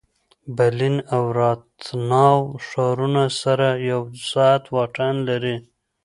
برلین او راتناو ښارونه سره یو ساعت واټن لري